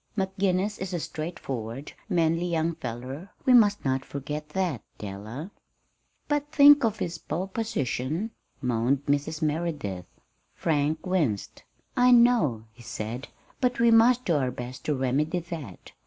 McGinnis is a straightforward, manly young fellow we must not forget that, Della." "But think of his po position," moaned Mrs. Merideth. Frank winced. "I know," he said. "But we must do our best to remedy that.